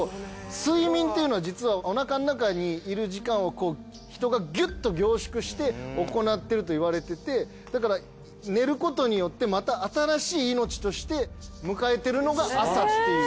睡眠っていうのは実はおなかの中にいる時間を人がギュッと凝縮して行ってるといわれててだから寝ることによってまた新しい命として迎えてるのが朝っていう。